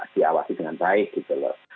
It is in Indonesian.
di awasi dengan baik gitu loh